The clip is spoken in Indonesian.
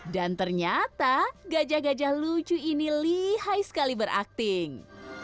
dan ternyata gajah gajah lucu ini lihai sekali berakting